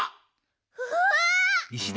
うわ！